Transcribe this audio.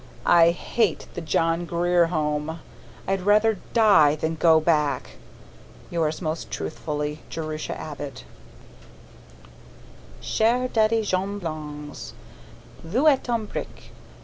I HATE THE JOHN GRIER HOME. I'd rather die than go back. Yours most truthfully, Jerusha Abbott Cher Daddy Jambes Longes, Vous etes un brick!